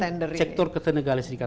kita pengen sektor ketenagaan listrik